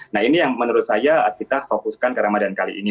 nah ini yang menurut saya kita fokuskan ke ramadan kali ini